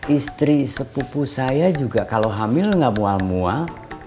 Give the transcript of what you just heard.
istri sepupu saya juga kalo hamil gak mual mual